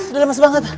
udah lemes banget